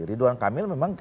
ridwan kamil memang